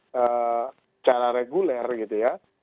secara reguler gitu ya